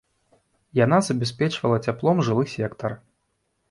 Яна забяспечвала цяплом жылы сектар.